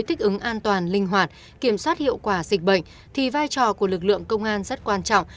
thích ứng an toàn linh hoạt kiểm soát hiệu quả dịch bệnh thì vai trò của lực lượng công an rất quan trọng